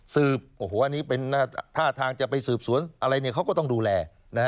อันนี้เป็นท่าทางจะไปสืบสวนอะไรเขาก็ต้องดูแล